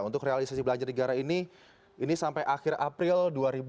untuk realisasi belanja negara ini ini sampai akhir april dua ribu dua puluh